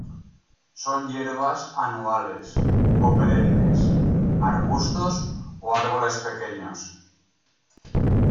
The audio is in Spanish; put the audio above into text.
Son hierbas anuales o perennes, arbustos o árboles pequeños.